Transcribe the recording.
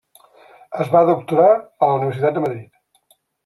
Es va doctorar a la Universitat de Madrid.